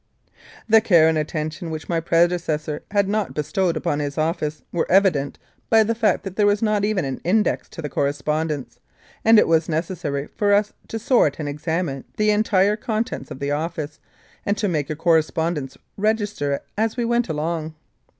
The care and attention which my predecessor had not bestowed upon his office were evidenced by the fact that there was not even an index to the correspondence, and it was necessary for us to sort and examine the entire contents of the office and to make a correspond ence register as we went along.